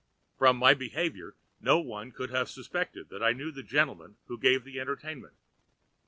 From my behavior no one could have suspected that I knew the gentlemen who gave the entertainment.